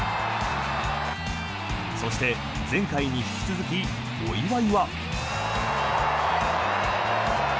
そして、前回に引き続きお祝いは。